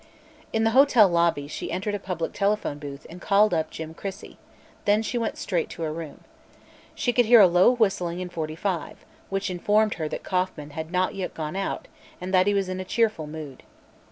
In the hotel lobby she entered a public telephone booth and called up Jim Crissey; then she went straight to her room. She could hear a low whistling in 45, which informed her that Kauffman had not yet gone out and that he was in a cheerful mood.